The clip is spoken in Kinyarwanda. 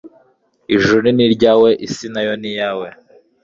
Ijuru ni iryawe isi na yo ni iyawe